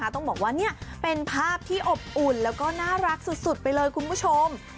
ต้องบอกว่านี่เป็นภาพที่อบอุ่นแล้วก็น่ารักสุดไปเลยคุณผู้ชม